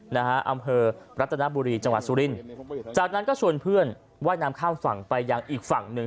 นะฮะอำเภอรัตนบุรีจังหวัดสุรินทร์จากนั้นก็ชวนเพื่อนว่ายน้ำข้ามฝั่งไปยังอีกฝั่งหนึ่ง